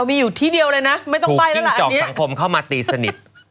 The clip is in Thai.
มีอยู่ที่เดียวเลยนะไม่ต้องไปแล้วล่ะจอกสังคมเข้ามาตีสนิท